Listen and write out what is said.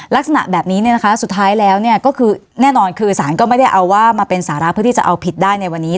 ลักษณะแบบนี้เนี่ยนะคะสุดท้ายแล้วเนี่ยก็คือแน่นอนคือสารก็ไม่ได้เอาว่ามาเป็นสาระเพื่อที่จะเอาผิดได้ในวันนี้